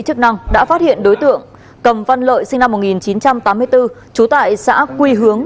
chức năng đã phát hiện đối tượng cầm văn lợi sinh năm một nghìn chín trăm tám mươi bốn trú tại xã quy hướng